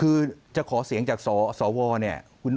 คือจะขอเสียงจากสวเนี่ย